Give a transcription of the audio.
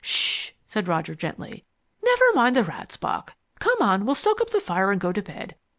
"Shhh," said Roger gently. "Never mind the rats, Bock. Come on, we'll stoke up the fire and go to bed.